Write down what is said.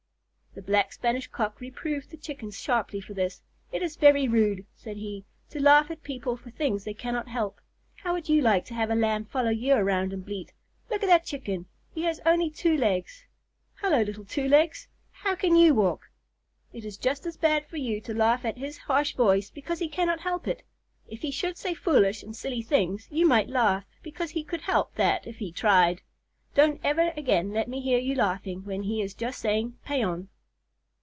The Black Spanish Cock reproved the Chickens sharply for this. "It is very rude," said he, "to laugh at people for things they cannot help. How would you like to have a Lamb follow you around and bleat, 'Look at that Chicken! He has only two legs! Hello, little two legs; how can you walk?' It is just as bad for you to laugh at his harsh voice, because he cannot help it. If he should say foolish and silly things, you might laugh, because he could help that if he tried. Don't ever again let me hear you laughing when he is just saying 'Paon.'"